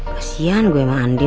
kesian gue sama andi